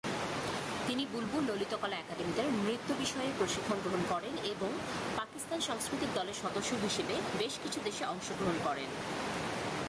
তিনি বুলবুল ললিতকলা একাডেমিতে নৃত্য বিষয়ে প্রশিক্ষণ গ্রহণ করেন এবং পাকিস্তান সাংস্কৃতিক দলের সদস্য হিসেবে বেশ কিছু দেশে অংশগ্রহণ করেন।